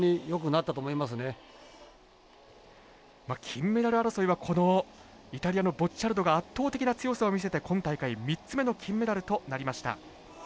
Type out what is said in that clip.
金メダル争いはこのイタリアのボッチャルドが圧倒的な強さを見せて今大会３つ目の金メダルとなりました。